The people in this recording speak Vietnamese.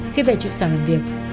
khi về trụ sở làm việc